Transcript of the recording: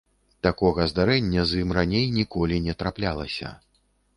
Такога здарэння з ім раней ніколі не траплялася!